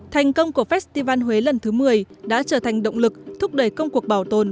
thành công của festival huế lần thứ một mươi đã trở thành động lực thúc đẩy công cuộc bảo tồn